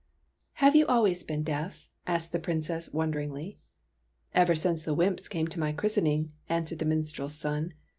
" Have you always been deaf ?" asked the Princess, wonderingly. " Ever since the wymps came to my chris tening," answered the minstrel's son.